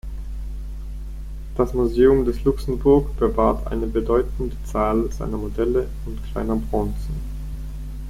Das "Museum des Luxembourg" bewahrt eine bedeutende Zahl seiner Modelle und kleiner Bronzen.